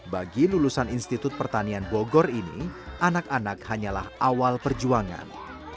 bagi lulusan institut pertanian bogor ini anak anak hanyalah awal perjuangan